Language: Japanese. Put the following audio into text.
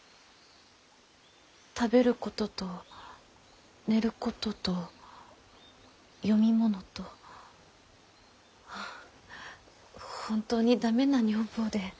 食べることと寝ることと読み物と本当に駄目な女房で。